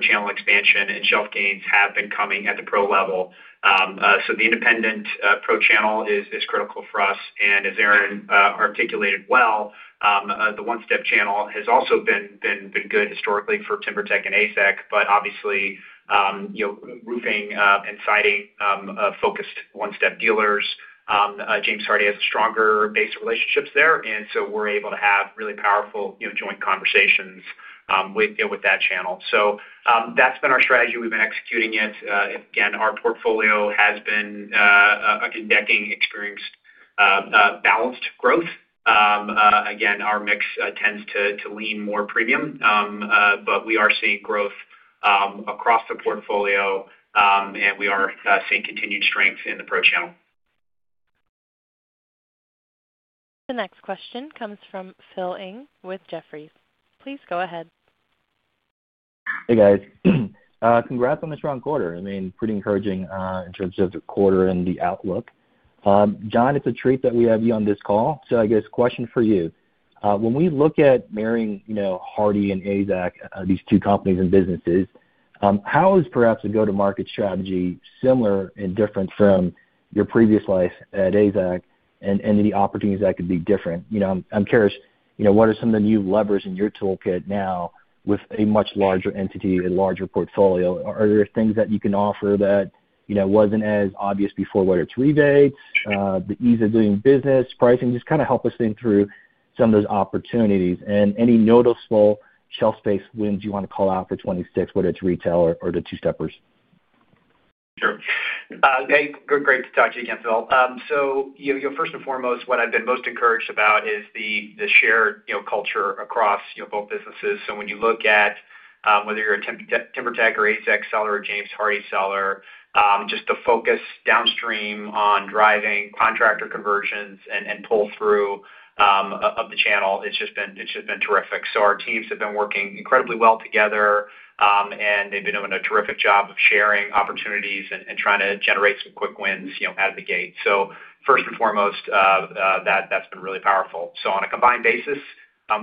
channel expansion and shelf gains have been coming at the pro level. The Independent Pro Channel is critical for us. As Aaron articulated well, the one-step channel has also been good historically for TimberTech and AZEK, but obviously, roofing and siding-focused one-step dealers, James Hardie has stronger base relationships there. We're able to have really powerful joint conversations with that channel. That's been our strategy. We've been executing it. Again, our portfolio has been a decking experience, balanced growth. Again, our mix tends to lean more premium, but we are seeing growth across the portfolio, and we are seeing continued strength in the pro channel. The next question comes from Phil Ng with Jefferies. Please go ahead. Hey, guys. Congrats on the strong quarter. I mean, pretty encouraging in terms of the quarter and the outlook. Jon, it's a treat that we have you on this call. I guess, question for you. When we look at marrying Hardie and AZEK, these two companies and businesses, how is perhaps a go-to-market strategy similar and different from your previous life at AZEK and the opportunities that could be different? I'm curious, what are some of the new levers in your toolkit now with a much larger entity, a larger portfolio? Are there things that you can offer that was not as obvious before, whether it is rebates, the ease of doing business, pricing? Just kind of help us think through some of those opportunities. Any noticeable shelf space wins you want to call out for 2026, whether it is retail or the two-steppers? Sure. Hey, great to talk to you again, Phil. First and foremost, what I have been most encouraged about is the shared culture across both businesses. When you look at whether you are a TimberTech or AZEK seller or James Hardie seller, just the focus downstream on driving contractor conversions and pull-through of the channel has just been terrific. Our teams have been working incredibly well together, and they have been doing a terrific job of sharing opportunities and trying to generate some quick wins out of the gate. First and foremost, that has been really powerful. On a combined basis,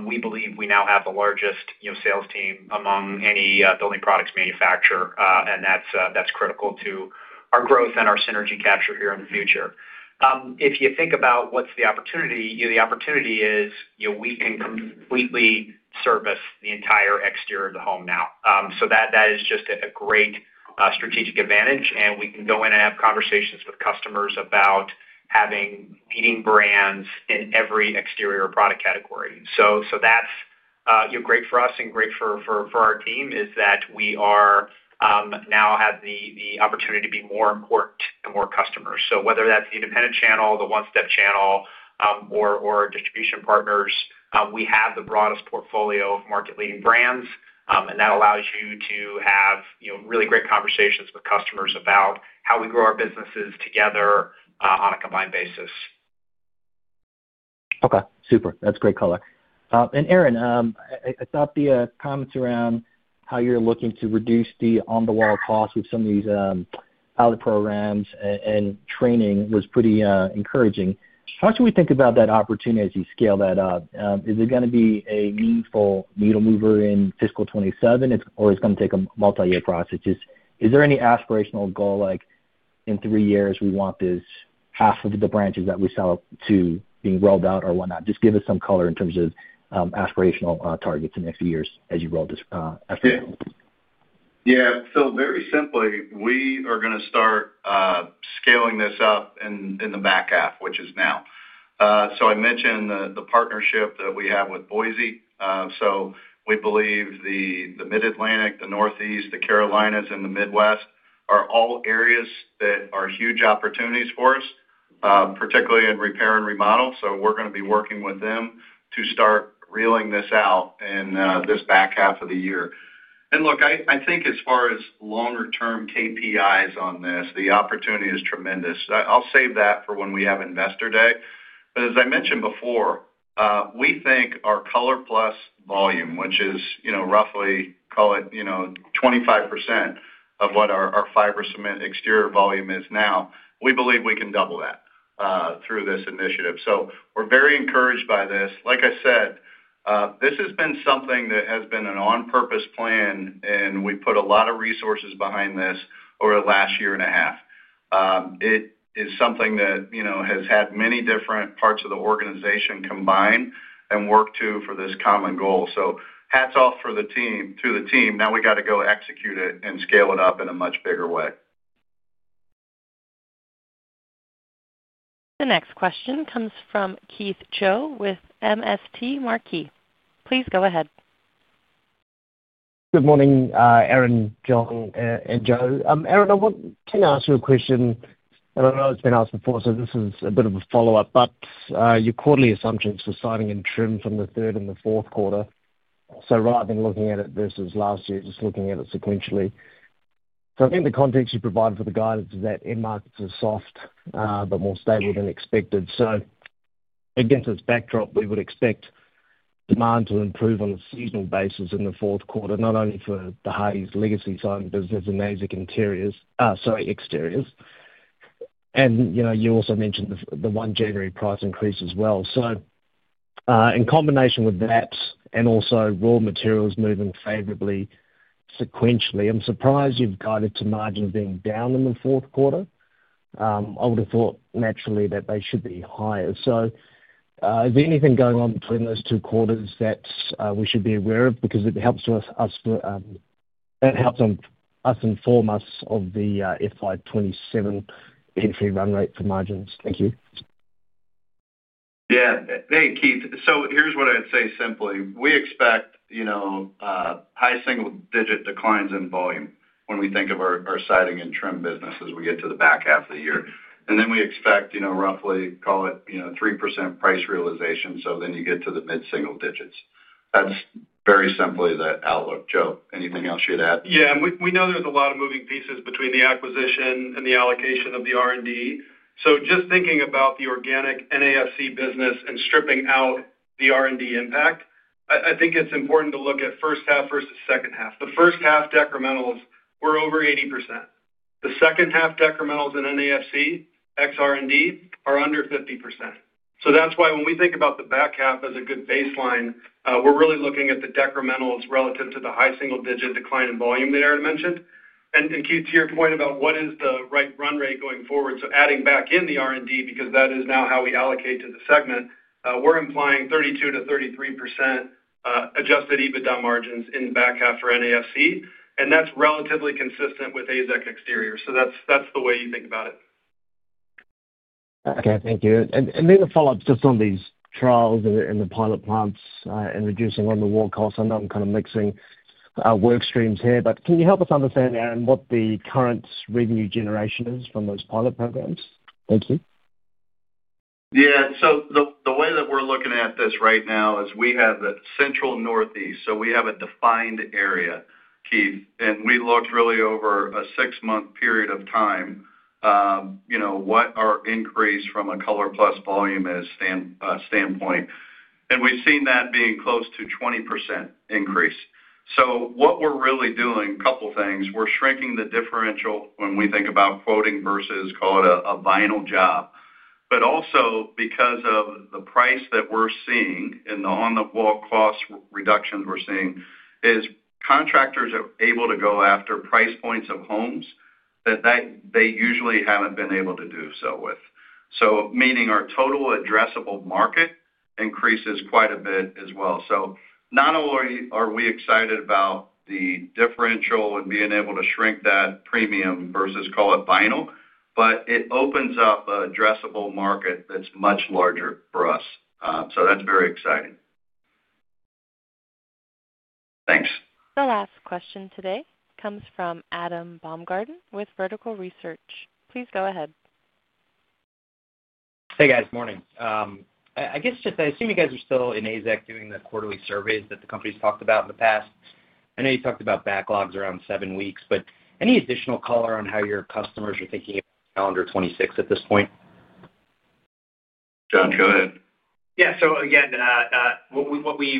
we believe we now have the largest sales team among any building products manufacturer, and that's critical to our growth and our synergy capture here in the future. If you think about what's the opportunity, the opportunity is we can completely service the entire exterior of the home now. That is just a great strategic advantage, and we can go in and have conversations with customers about having leading brands in every exterior product category. That's great for us and great for our team is that we now have the opportunity to be more important to more customers. Whether that's the independent channel, the one-step channel, or distribution partners, we have the broadest portfolio of market-leading brands, and that allows you to have really great conversations with customers about how we grow our businesses together on a combined basis. Okay. Super. That's great color. Aaron, I thought the comments around how you're looking to reduce the On-the-wall cost with some of these pilot programs and training was pretty encouraging. How should we think about that opportunity as you scale that up? Is it going to be a meaningful needle-mover in fiscal 2027, or is it going to take a multi-year process? Is there any aspirational goal like, "In three years, we want half of the branches that we sell to being rolled out or whatnot"? Just give us some color in terms of aspirational targets in the next few years as you roll this after. Yeah. Very simply, we are going to start scaling this up in the back half, which is now. I mentioned the partnership that we have with Boise. We believe the Mid-Atlantic, the Northeast, the Carolinas, and the Midwest are all areas that are huge opportunities for us, particularly in Repair and Remodel. We are going to be working with them to start reeling this out in this back half of the year. I think as far as longer-term KPIs on this, the opportunity is tremendous. I'll save that for when we have Investor Day. As I mentioned before, we think our ColorPlus volume, which is roughly, call it 25% of what our Fiber Cement exterior volume is now, we believe we can double that through this initiative. We are very encouraged by this. Like I said, this has been something that has been an on-purpose plan, and we put a lot of resources behind this over the last year and a half. It is something that has had many different parts of the organization combine and work to for this common goal. Hats off to the team. Now we got to go execute it and scale it up in a much bigger way. The next question comes from Keith Chau with MST Marquee. Please go ahead. Good morning, Aaron, Jon, and Joe. Aaron, I want to ask you a question. I do not know if it has been asked before, so this is a bit of a follow-up, but your quarterly assumptions for Siding and Trim from the 3rd and the 4th quarter. Rather than looking at it versus last year, just looking at it sequentially. I think the context you provide for the guidance is that in-markets are soft, but more stable than expected. Against this backdrop, we would expect demand to improve on a seasonal basis in the 4th quarter, not only for the Hardie legacy siding business and AZEK exteriors. You also mentioned the 1 January price increase as well. In combination with that and also raw materials moving favorably sequentially, I'm surprised you've guided to margins being down in the 4th quarter. I would have thought naturally that they should be higher. Is there anything going on between those two quarters that we should be aware of? It helps inform us of the fiscal year 2027 entry run rate for margins. Thank you. Yeah. Hey, Keith. Here's what I'd say simply. We expect high single-digit declines in volume when we think of our Siding and Trim business as we get to the back half of the year. Then we expect roughly, call it 3% price realization. You get to the mid-single digits. That is very simply the outlook. Joe, anything else you would add? Yeah. We know there are a lot of moving pieces between the acquisition and the allocation of the R&D. Just thinking about the organic NAFC business and stripping out the R&D impact, I think it is important to look at 1st half versus 2nd half. The 1st half decrementals were over 80%. The 2nd half decrementals in NAFC, excluding R&D, are under 50%. That is why when we think about the back half as a good baseline, we are really looking at the decrementals relative to the high single-digit decline in volume that Aaron mentioned. Keith, to your point about what is the right run rate going forward, adding back in the R&D, because that is now how we allocate to the segment, we're implying 32%-33% adjusted EBITDA margins in the back half for NAFC. That is relatively consistent with AZEK exteriors. That is the way you think about it. Okay. Thank you. A follow-up just on these trials and the pilot plants and reducing on the raw costs. I know I'm kind of mixing work streams here, but can you help us understand, Aaron, what the current revenue generation is from those pilot programs? Thank you. Yeah. The way that we're looking at this right now is we have a central northeast. We have a defined area, Keith, and we looked really over a six-month period of time at what our increase from a ColorPlus volume standpoint was. We have seen that being close to a 20% increase. What we are really doing, a couple of things, we are shrinking the differential when we think about quoting versus, call it, a vinyl job. Also, because of the price that we are seeing and the On-the-wall cost reductions we are seeing, contractors are able to go after price points of homes that they usually have not been able to do so with. Meaning our total addressable market increases quite a bit as well. Not only are we excited about the differential and being able to shrink that premium versus, call it, vinyl, but it opens up an addressable market that is much larger for us. That is very exciting. Thanks. The last question today comes from Adam Baumgarten with Vertical Research. Please go ahead. Hey, guys. Morning. I guess just I assume you guys are still in AZEK doing the quarterly surveys that the company's talked about in the past. I know you talked about backlogs around seven weeks, but any additional color on how your customers are thinking about calendar 2026 at this point? Jon, go ahead. Yeah. So again, what we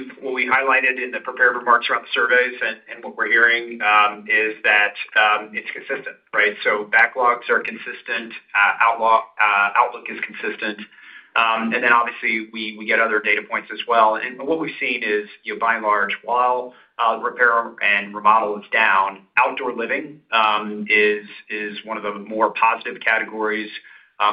highlighted in the prepared remarks around the surveys and what we're hearing is that it's consistent, right? So backlogs are consistent. Outlook is consistent. Obviously, we get other data points as well. What we've seen is, by and large, while Repair and Remodel is down, outdoor living is one of the more positive categories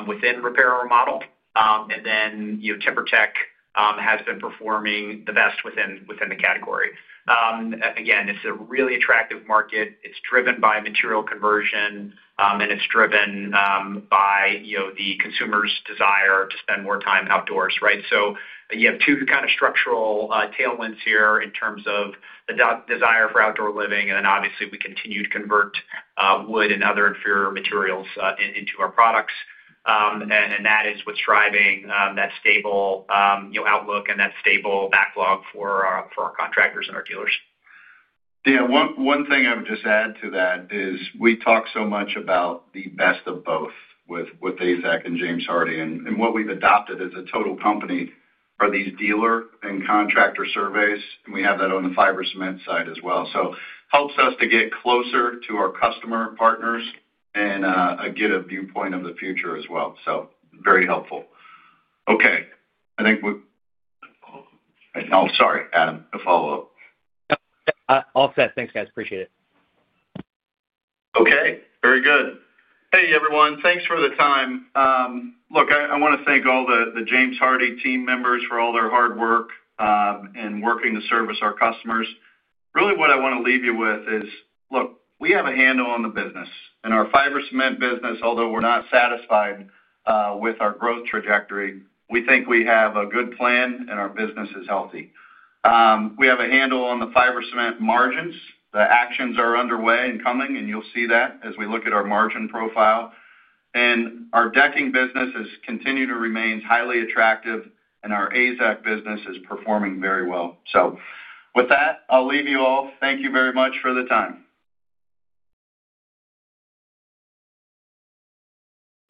within Repair and Remodel. TimberTech has been performing the best within the category. Again, it's a really attractive market. It's driven by material conversion, and it's driven by the consumer's desire to spend more time outdoors, right? You have two kind of structural tailwinds here in terms of the desire for outdoor living. Obviously, we continue to convert wood and other inferior materials into our products. That is what's driving that stable outlook and that stable backlog for our contractors and our dealers. Yeah. One thing I would just add to that is we talk so much about the best of both with AZEK and James Hardie. What we've adopted as a total company are these dealer and contractor surveys. We have that on the Fiber Cement side as well. It helps us to get closer to our customer partners and get a viewpoint of the future as well. Very helpful. Okay. I think we're—oh, sorry, Adam, a follow-up. All set. Thanks, guys. Appreciate it. Okay. Very good. Hey, everyone. Thanks for the time. Look, I want to thank all the James Hardie team members for all their hard work in working to service our customers. Really, what I want to leave you with is, look, we have a handle on the business. In our Fiber Cement business, although we're not satisfied with our growth trajectory, we think we have a good plan, and our business is healthy. We have a handle on the Fiber Cement margins. The actions are underway and coming, and you'll see that as we look at our margin profile. Our decking business has continued to remain highly attractive, and our AZEK business is performing very well. With that, I'll leave you all. Thank you very much for the time.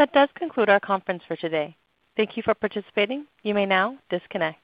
That does conclude our conference for today. Thank you for participating. You may now disconnect.